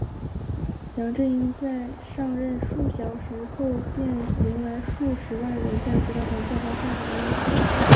梁振英在上任数小时后便迎来数十万人在街上叫他下台的要求。